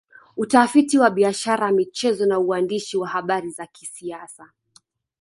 Utafiti wa biashara michezo na uandishi wa habari za kisiasa